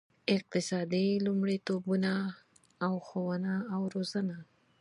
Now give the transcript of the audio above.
اقتصادي لومړیتوبونه او ښوونه او روزنه.